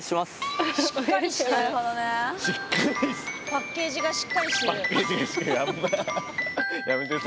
パッケージがしっかりしてる。